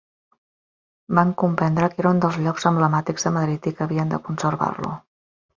Van comprendre que era un dels llocs emblemàtics de Madrid i que havien de conservar-lo.